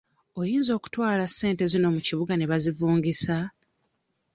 Oyinza okutwala ssente zino mu kibuga ne bazivungisa?